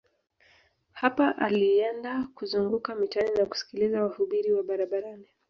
Hapa alienda kuzunguka mitaani na kusikiliza wahubiri wa barabarani